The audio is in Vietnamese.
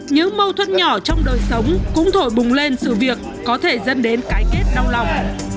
những mâu thuẫn nhỏ trong đời sống cũng thổi bùng lên sự việc có thể dẫn đến cái kết đau lòng